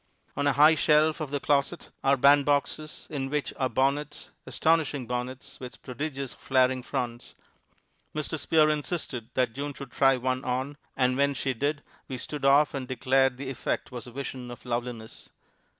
On a high shelf of the closet are bandboxes, in which are bonnets, astonishing bonnets, with prodigious flaring fronts. Mr. Spear insisted that June should try one on, and when she did we stood off and declared the effect was a vision of loveliness.